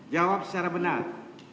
jawab secara benar